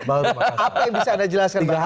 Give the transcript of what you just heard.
apa yang bisa anda jelaskan bang hanta